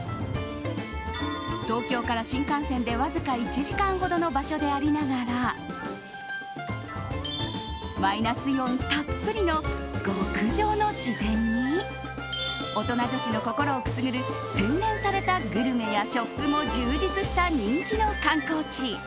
東京から新幹線でわずか１時間ほどの場所でありながらマイナスイオンたっぷりの極上の自然に大人女子の心をくすぐる洗練されたグルメやショップも充実した人気の観光地。